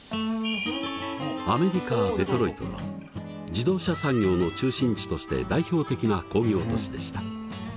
アメリカ・デトロイトは自動車産業の中心地として代表的な工業都市でした。